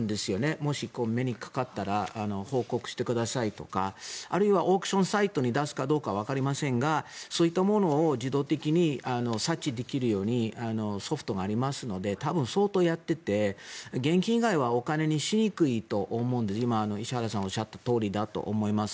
もし目にかかったら報告してくださいとかあるいはオークションサイトに出すかどうかわかりませんがそういったものを自動的に察知できるようにソフトがありますので多分、相当やっていて現金以外はお金にしにくいと思うので今、石原さんがおっしゃったとおりだと思います。